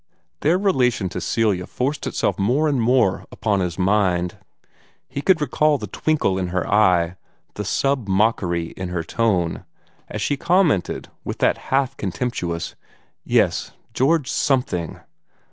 Their relation to Celia forced itself more and more upon his mind. He could recall the twinkle in her eye, the sub mockery in her tone, as she commented with that half contemptuous "Yes George something!"